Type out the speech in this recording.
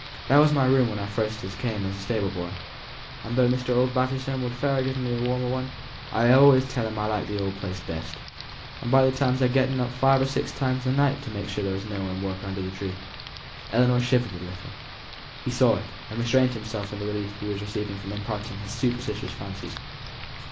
That were my room when first I come as stable boy, and tho' Mr. Osbaldistone would fain give me a warmer one, I allays tell him I like th' old place best. And by times I've getten up five or six times a night to make sure as there was no one at work under the tree." Ellinor shivered a little. He saw it, and restrained himself in the relief he was receiving from imparting his superstitious fancies.